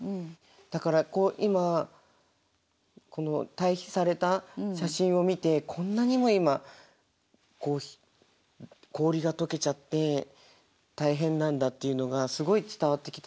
だからこう今対比された写真を見てこんなにも今氷が解けちゃって大変なんだっていうのがすごい伝わってきたので。